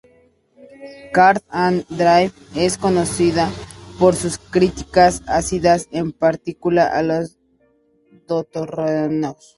Car and Driver es conocida por sus críticas ácidas, en particular a los todoterrenos.